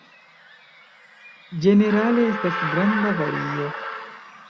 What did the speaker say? Ĝenerale estas granda vario.